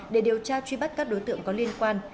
để điều tra truy bắt các đối tượng có liên quan